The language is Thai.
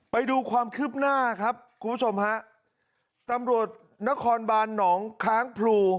ไปดูความคืบหน้าครับคุณผู้ชมฮะตำรวจนครบานหนองค้างพลู